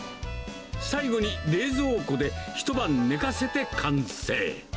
最後に冷蔵庫で一晩寝かせて完成。